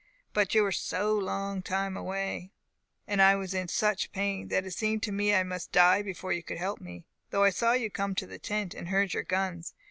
But you were so long time away, and I was in such pain, that it seemed to me I must die before you could help me, though I saw you come to the tent, and heard your guns.